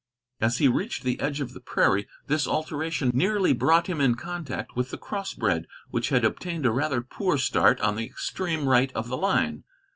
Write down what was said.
As he reached the edge of the prairie, this alteration nearly brought him in contact with the crossbred, which had obtained a rather poor start, on the extreme right of the line.